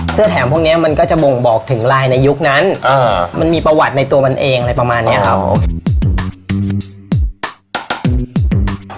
แถมพวกนี้มันก็จะบ่งบอกถึงลายในยุคนั้นมันมีประวัติในตัวมันเองอะไรประมาณเนี้ยครับผม